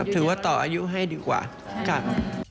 ถือว่าต่ออายุให้ดีกว่าค่ะ